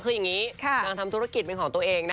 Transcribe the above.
คืออย่างนี้นางทำธุรกิจเป็นของตัวเองนะ